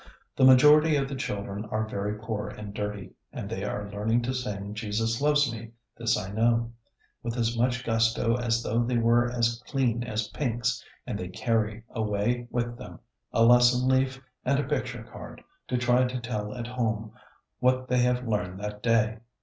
The majority of the children are very poor and dirty, and they are learning to sing "Jesus loves me, this I know," with as much gusto as though they were as clean as pinks, and they carry away with them a lesson leaf and a picture card, to try to tell at home what they have learned that day.